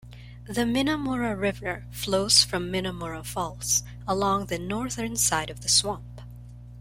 The Minnamurra River flows from Minnamurra Falls along the northern side of the swamp.